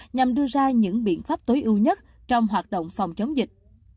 nhằm đưa ra những biện pháp tối ưu nhất trong hoạt động phòng chống dịch